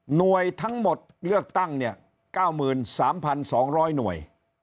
หน่วยทั้งหมดเลือกตั้งเนี่ย๙๓๒๐๐หน่วย